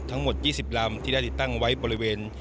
ทั้งหมด๒๐ลำที่ได้ติดตั้งไว้บริเวณ